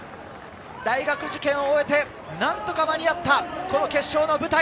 大学受験を終えて何とか間に合った、この決勝の舞台。